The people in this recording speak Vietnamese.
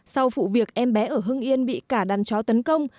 sau vụ việc em bé ở hưng yên bị cả đàn chó tấn công